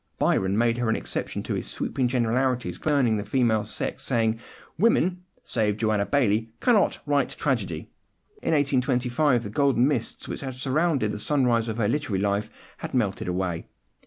Byron made her an exception to his sweeping generalities concerning the female sex, saying, "Woman (save Joanna Baillie) cannot write tragedy." In 1825 the golden mists which had surrounded the sunrise of her literary life had melted away.